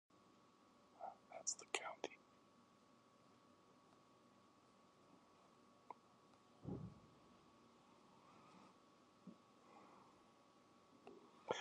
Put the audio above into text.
The county is managing several stream restoration projects throughout the watershed.